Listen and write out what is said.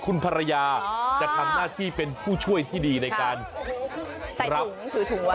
คุณภรรยาจะทำหน้าที่เป็นผู้ช่วยที่ดีในการรับถุงไว้